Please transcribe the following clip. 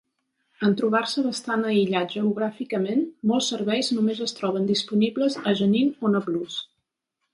En trobar-se bastant aïllat geogràficament, molts serveis només es troben disponibles a Jenin o Nablus.